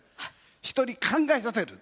人に考えさせる。